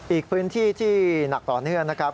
อีกพื้นที่ที่หนักต่อเนื่องนะครับ